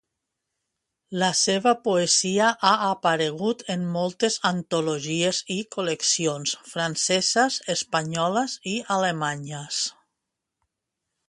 La seva poesia ha aparegut en moltes antologies i col·leccions franceses, espanyoles i alemanyes.